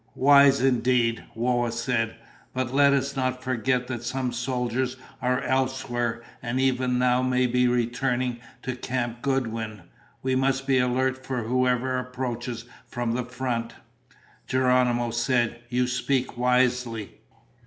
"Wise indeed," Whoa said. "But let us not forget that some soldiers are elsewhere and even now may be returning to Camp Goodwin. We must be alert for whoever approaches from the front." Geronimo said, "You speak wisely."